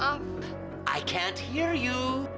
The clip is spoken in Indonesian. aku tak bisa dengar kamu